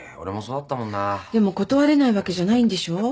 でも断れないわけじゃないんでしょ？